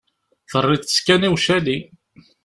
Terriḍ-tt kan i ucali.